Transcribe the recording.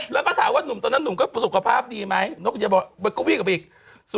แล้วไงที่ก็เลย